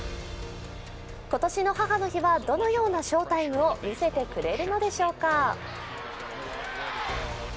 今年の母の日はどのような翔タイムを見せてくれるのでしょうか？